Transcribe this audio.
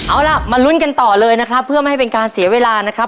เอาล่ะมาลุ้นกันต่อเลยนะครับเพื่อไม่ให้เป็นการเสียเวลานะครับ